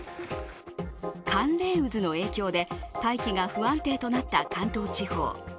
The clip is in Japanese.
寒冷渦の影響で大気が不安定となった関東地方。